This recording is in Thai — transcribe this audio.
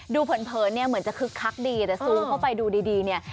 เผินเนี่ยเหมือนจะคึกคักดีแต่ซูมเข้าไปดูดีเนี่ย